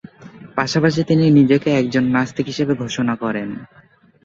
পাশাপাশি তিনি নিজেকে একজন নাস্তিক হিসাবে ঘোষণা করেন।